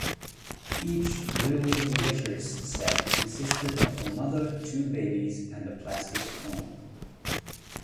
Each Lil' Litters set consisted of a mother, two babies and a plastic comb.